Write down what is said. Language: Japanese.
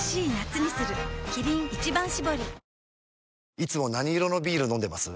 いつも何色のビール飲んでます？